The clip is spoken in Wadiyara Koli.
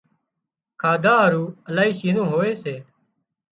کاڌا هارُو الاهي شِيزون هوئي سي